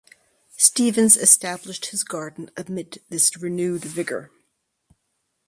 Stephens established his garden amid this renewed vigour.